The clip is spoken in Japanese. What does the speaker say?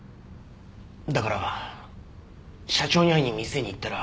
だから社長に会いに店に行ったら。